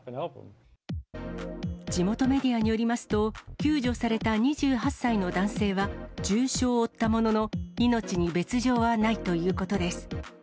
地元メディアによりますと、救助された２８歳の男性は、重傷を負ったものの、命に別状はないということです。